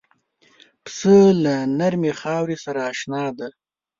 پسه له نرمې خاورې سره اشنا دی.